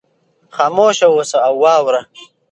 خاموشه اوسه او واوره.